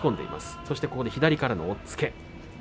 そして左からの押っつけ。